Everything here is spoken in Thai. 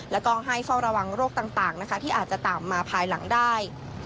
แล้วก็ให้เฝ้าระวังโรคต่างที่อาจจะตามมาภายหลังได้